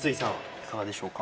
いかがでしょうか？